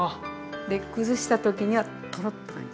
で崩した時にはトロッて感じ。